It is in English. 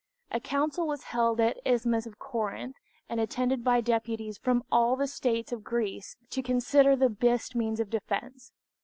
A council was held at the Isthmus of Corinth, and attended by deputies from all the states of Greece to consider of the best means of defense.